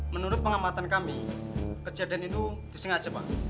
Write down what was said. menurut pengamatan kami kejadian itu disengaja pak